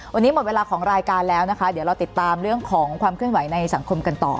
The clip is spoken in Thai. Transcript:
วันนี้หมดเวลาของรายการแล้วนะคะเดี๋ยวเราติดตามเรื่องของความเคลื่อนไหวในสังคมกันต่อ